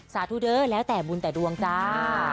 สาธุเด้อแล้วแต่บุญแต่ดวงจ้า